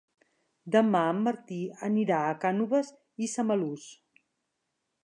Demà en Martí anirà a Cànoves i Samalús.